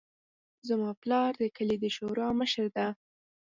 زما پلار د کلي د شورا مشر ده